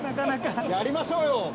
やりましょうよ！